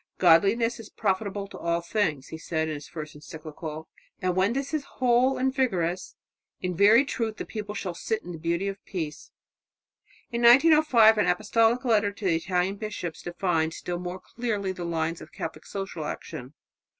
"Godliness is profitable to all things," he had said in his first encyclical, "and when this is whole and vigorous, in very truth the people shall sit in the beauty of peace." In 1905 an apostolic letter to the Italian bishops defined still more clearly the lines of Catholic social action.